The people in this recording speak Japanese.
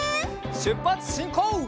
しゅっぱつしんこう！